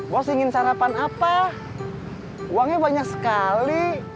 bos ingin sarapan apa uangnya banyak sekali